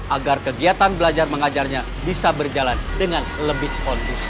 agar kegiatan belajar mengajarnya bisa berjalan dengan lebih kondusif